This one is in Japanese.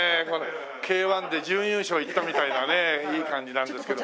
Ｋ−１で準優勝いったみたいなねいい感じなんですけど。